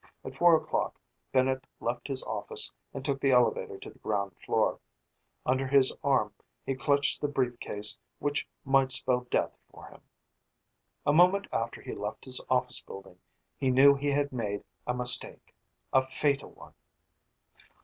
At four o'clock Bennett left his office and took the elevator to the ground floor. Under his arm he clutched the briefcase which might spell death for him. A moment after he left his office building, he knew he had made a mistake a fatal one!